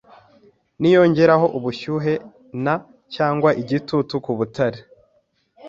niyongeraho ubushyuhe na cyangwa igitutu kubutare